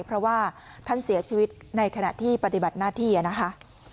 เพราะว่าท่านเสียชีวิตในขณะที่ปฏิบัติหน้าที่นะคะ